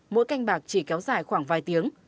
mỗi canh bạc chỉ kéo dài khoảng vài tiếng